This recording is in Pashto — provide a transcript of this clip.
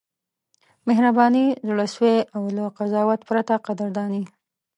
مهرباني، زړه سوی او له قضاوت پرته قدرداني: